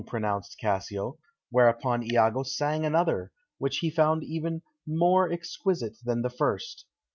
pronounced Cassio, whereupon Iago sang another, which he found even "more exquisite" than the first.